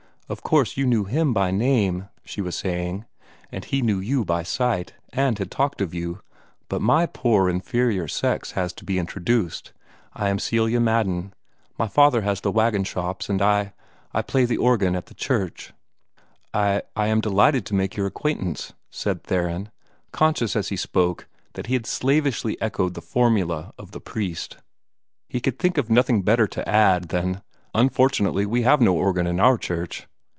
"Of course you knew HIM by name," she was saying, "and he knew you by sight, and had talked of you; but MY poor inferior sex has to be introduced. I am Celia Madden. My father has the wagon shops, and I I play the organ at the church." "I I am delighted to make your acquaintance," said Theron, conscious as he spoke that he had slavishly echoed the formula of the priest. He could think of nothing better to add than, "Unfortunately, we have no organ in our church."